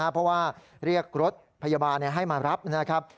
เพราะว่าเรียกรถพยาบาลให้มารับนะครับ